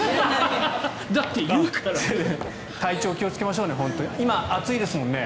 体調に気をつけましょうね。